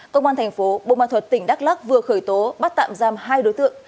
công an thành phố bô ma thuật tỉnh đắk lắc vừa khởi tố bắt tạm giam hai đối tượng